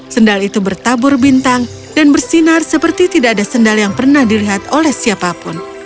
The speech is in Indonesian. sendal itu bertabur bintang dan bersinar seperti tidak ada sendal yang pernah dilihat oleh siapapun